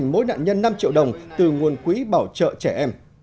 mỗi nạn nhân năm triệu đồng từ nguồn quỹ bảo trợ trẻ em